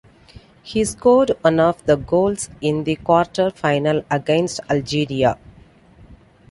He scored one of the goals in the quarter final against Algeria.